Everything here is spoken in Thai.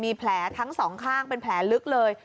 มีแผลทั้งสองข้างเป็นแผลลึกเลย